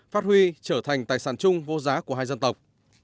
phát huy trở thành tài sản chung vô giá của hai dân tộc